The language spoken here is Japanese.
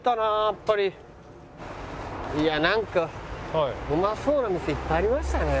いやなんかうまそうな店いっぱいありましたね。